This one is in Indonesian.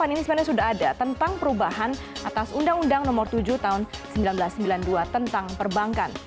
ini sebenarnya sudah ada tentang perubahan atas undang undang nomor tujuh tahun seribu sembilan ratus sembilan puluh dua tentang perbankan